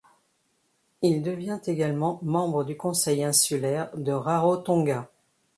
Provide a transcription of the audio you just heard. Il devient également membre du Conseil insulaire de Rarotonga.